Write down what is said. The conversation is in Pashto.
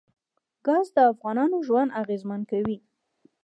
ګاز د افغانانو ژوند اغېزمن کوي.